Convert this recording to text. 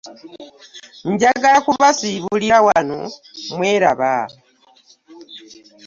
Njagala kubasiibulira wano mweraba.